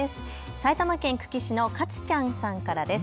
埼玉県久喜市のかつちゃんさんからです。